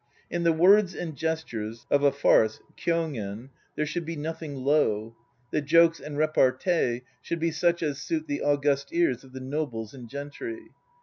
In the words and gestures (of a farce, kyogen) there should be nothing low. The jokes and repartee should be such as suit the august ears of the nobles and gentry.